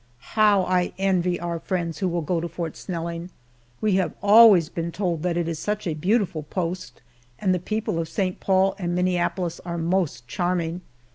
How I envy our friends who will go to Fort Snelling! We have always been told that it is such a beautiful post, and the people of St. Paul and Minneapolis are most charming.